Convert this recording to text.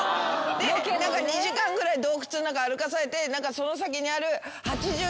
で２時間ぐらい洞窟の中歩かされて何かその先にある。